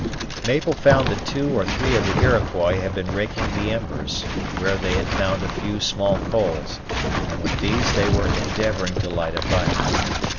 Mabel found that two or three of the Iroquois had been raking the embers, where they had found a few small coals, and with these they were endeavoring to light a fire.